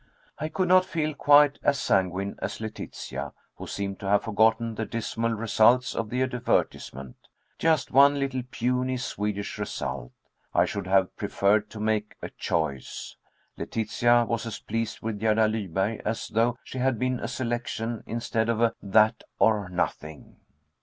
I could not feel quite as sanguine as Letitia, who seemed to have forgotten the dismal results of the advertisement just one little puny Swedish result. I should have preferred to make a choice. Letitia was as pleased with Gerda Lyberg as though she had been a selection instead of a that or nothing.